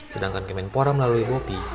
sedangkan gemenpora melalui bopi